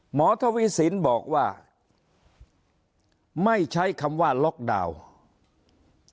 ทวีสินบอกว่าไม่ใช้คำว่าล็อกดาวน์